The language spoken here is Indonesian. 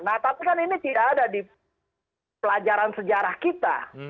nah tapi kan ini tidak ada di pelajaran sejarah kita